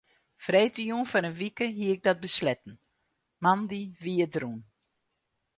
Freedtejûn foar in wike hie ik dat besletten, moandei wie it rûn.